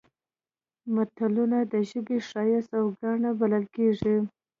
متلونه د ژبې ښایست او ګاڼه بلل کېږي